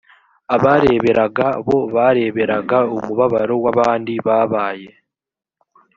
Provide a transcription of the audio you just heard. abareberaga bo bareberaga umubabaro w’abandi babaye